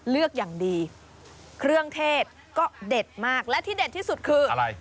เลือกอย่างดีเครื่องเทศก็เด็ดมากและที่เด็ดที่สุดคืออะไร